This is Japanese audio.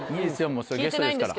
もうゲストですから。